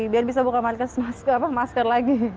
biar bisa buka masker lagi